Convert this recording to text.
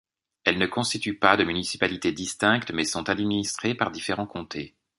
Elles ne constituent pas de municipalité distincte mais sont administrées par différents comtés.